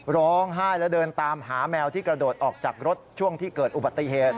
ร้องไห้และเดินตามหาแมวที่กระโดดออกจากรถช่วงที่เกิดอุบัติเหตุ